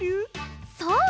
そう！